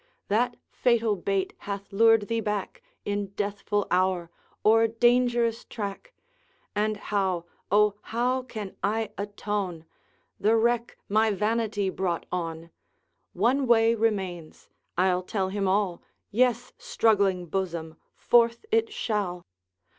That fatal bait hath lured thee back, In deathful hour, o'er dangerous track; And how, O how, can I atone The wreck my vanity brought on! One way remains I'll tell him all Yes! struggling bosom, forth it shall!